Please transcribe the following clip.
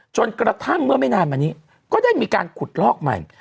จนกระทั่งเมื่อไม่นานมานี้ก็ได้มีการขุดลอกใหม่